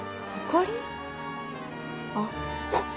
あっ。